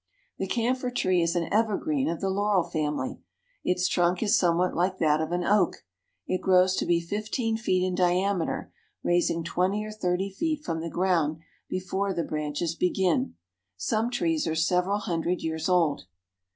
The camphor tree is an evergreen of the laurel family. Its trunk is somewhat like that of an oak. It grows to be fifteen feet in diameter, rising twenty or thirty feet from the ground before the branches begin. Some trees are several hundred years old.